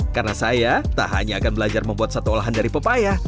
karena saya tak hanya akan belajar membuat satu olahan dari pepaya